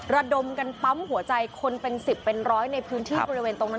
ระดมกันปั๊มหัวใจคนเป็น๑๐เป็นร้อยในพื้นที่บริเวณตรงนั้น